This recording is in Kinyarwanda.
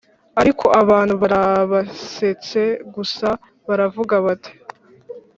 ariko abantu barabasetse gusa, baravuga bati: